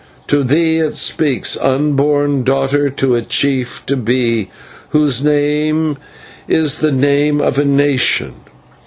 To thee it speaks, unborn daughter of a chief to be, whose name is the name of a nation.